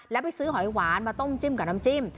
แล้วไปซื้อหอยหวานมาต้มจิ้มกับน้ำจิ้ม